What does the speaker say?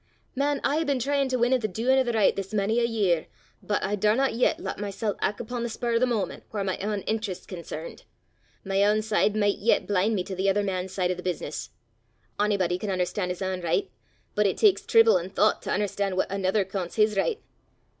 Man, I hae been tryin' to win at the duin' o' the richt this mony a year, but I daurna yet lat mysel' ac' upo' the spur o' the moment whaur my ain enterest 's concernt: my ain side micht yet blin' me to the ither man's side o' the business. Onybody can un'erstan' his ain richt, but it taks trible an' thoucht to un'erstan' what anither coonts his richt.